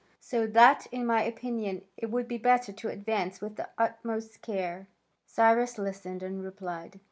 So that in my opinion it would be better to advance with the utmost care." Cyrus listened and replied.